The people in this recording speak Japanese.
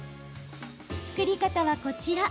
作り方はこちら。